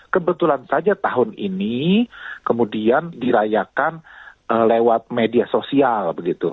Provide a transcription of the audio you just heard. kebetulan saja tahun ini kemudian dirayakan lewat media sosial